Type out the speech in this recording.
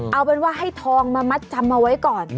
เอาเป็นว่าให้ทองมามัดจำเอาไว้ก่อน